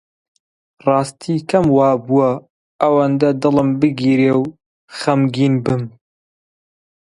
ڕاستی کەم وا بووە ئەوەندە دڵم بگیرێ و خەمگین بم